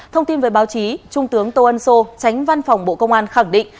thông tin về báo chí trung tướng tô ân sô tránh văn phòng bộ công an khẳng định